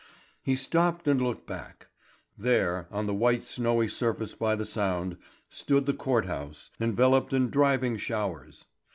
He stopped and looked back. There, on the white snowy surface by the sound, stood the court house, enveloped in driving showers.